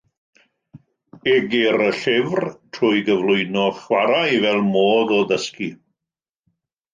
Egyr y llyfr trwy gyflwyno chwarae fel modd o ddysgu.